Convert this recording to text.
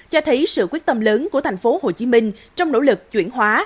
cho thấy sự quyết tâm lớn của thành phố hồ chí minh trong nỗ lực chuyển hóa